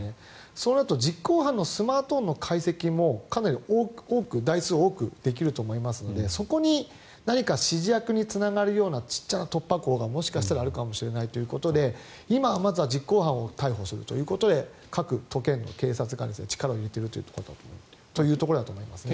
そうなると実行犯のスマートフォンの解析もかなり多く台数多くできると思いますのでそこに何か指示役につながるような小さな突破口がもしかしたらあるかもしれないということで今、まずは実行犯を逮捕するということで各都県の警察が力を入れているというところだと思いますね。